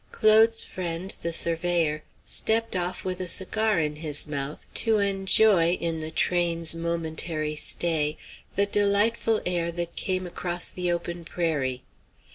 Claude's friend, the surveyor, stepped off with a cigar in his mouth, to enjoy in the train's momentary stay the delightful air that came across the open prairie.